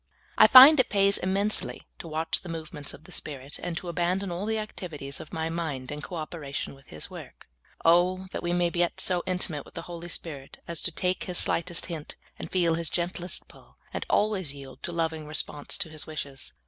I find it pa3^s immensely to watch the movements of the Spirit, and to abandon all the activities of my mind in co operation wdth His work. Oh, that we may get so intimate wdth the Holy Spirit as to take His slightest hint, and feel His gentlest pull, and always yield a loving response to His wishes